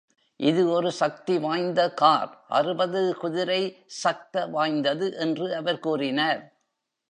"இது ஒரு சக்திவாய்ந்த கார்?" "அறுபது குதிரை சக்த வாய்ந்தது" என்று அவர் கூறினார்.